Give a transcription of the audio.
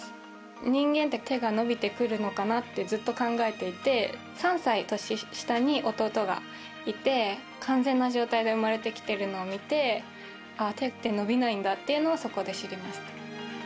人間って手が伸びてくるのかなってずっと考えていて３歳年下に弟がいて完全な状態で生まれてきているのを見て手って伸びないんだというのをそこで知りました。